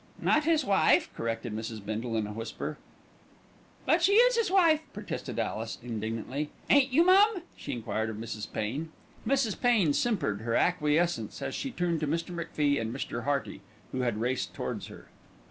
"Not his wife," corrected Mrs. Bindle in a whisper. "But she is 'is wife," protested Alice indignantly. "Ain't you, mum?" she enquired of Mrs. Pain. Mrs. Pain simpered her acquiescence as she turned to Mr. MacFie and Mr. Hearty, who had raced towards her.